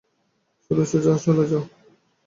শুধু, সোজা চলে যাও।